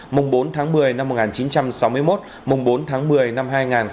mùng bốn tháng một mươi năm một nghìn chín trăm sáu mươi một mùng bốn tháng một mươi năm hai nghìn hai mươi